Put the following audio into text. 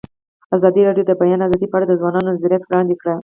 ازادي راډیو د د بیان آزادي په اړه د ځوانانو نظریات وړاندې کړي.